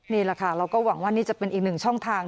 นี่แหละค่ะเราก็หวังว่านี่จะเป็นอีกหนึ่งช่องทาง